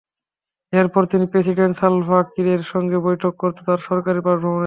এরপর তিনি president Salva কিরের সঙ্গে বৈঠক করতে তাঁর সরকারি বাসভবনে যান।